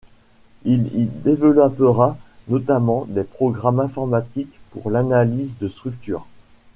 Il y développera notamment des programmes informatiques pour l'analyse de structures.